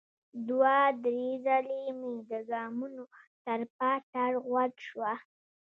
دوه ـ درې ځلې مې د ګامونو ترپا تر غوږ شوه.